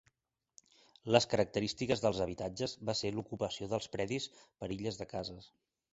Les característiques dels habitatges va ser l'ocupació dels predis per illes de cases.